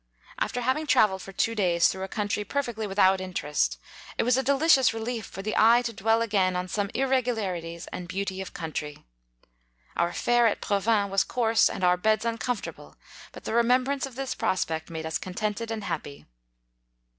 After having travelled for two days through a country per fectly without interest, it w 7 as a delici ous relief for the eye to dwell again on some irregularities and beauty of coun try. Our fare at Provins was coarse, and our beds uncomfortable, but the remembrance of this prospect made us contented and happy.